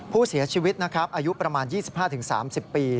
ผู้เสียชีวิตอายุประมาณ๒๕๓๐ปี